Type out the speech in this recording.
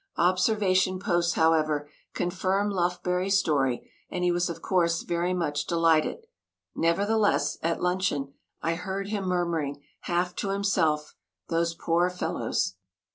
Observation posts, however, confirmed Lufbery's story, and he was of course very much delighted. Nevertheless, at luncheon, I heard him murmuring, half to himself: "Those poor fellows."